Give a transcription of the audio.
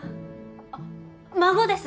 あっ孫です！